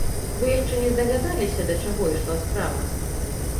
Вы яшчэ не здагадаліся, да чаго ішла справа?